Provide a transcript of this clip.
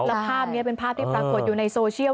แล้วภาพนี้เป็นภาพที่ปรากฏอยู่ในโซเชียล